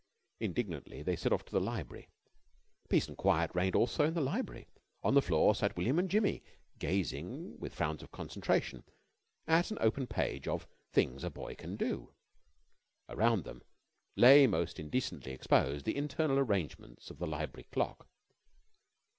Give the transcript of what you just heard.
Indignantly they set off to the library. Peace and quiet reigned also in the library. On the floor sat William and Jimmy gazing with frowns of concentration at an open page of "Things a Boy Can Do." Around them lay most indecently exposed the internal arrangements of the library clock.